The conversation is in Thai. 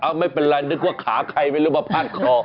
ไม่เป็นไรนึกว่าขาใครไม่รู้มาพาดคอ